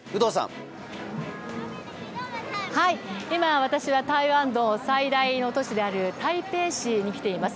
今、私は台湾の最大の都市である台北市に来ています。